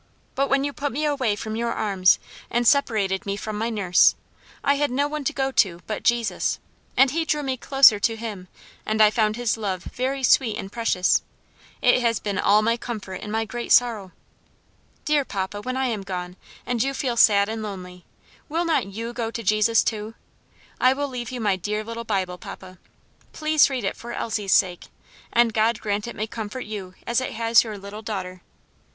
But when you put me away from your arms and separated me from my nurse, I had no one to go to but Jesus, and he drew me closer to him, and I found his love very sweet and precious; it has been all my comfort in my great sorrow. Dear papa, when I am gone, and you feel sad and lonely, will not you go to Jesus, too? I will leave you my dear little Bible, papa. Please read it for Elsie's sake, and God grant it may comfort you as it has your little daughter.